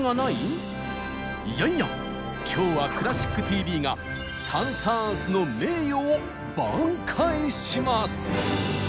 いやいや今日は「クラシックＴＶ」がサン・サーンスの名誉を挽回します。